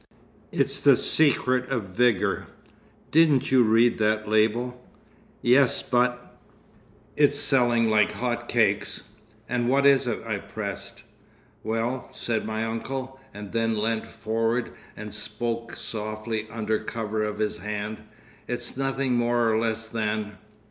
"It's the secret of vigour. Didn't you read that label?" "Yes, but—" "It's selling like hot cakes." "And what is it?" I pressed. "Well," said my uncle, and then leant forward and spoke softly under cover of his hand, "It's nothing more or less than..."